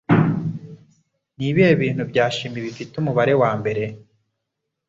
Nibihe bintu bya shimi bifite Umubare wa mbere?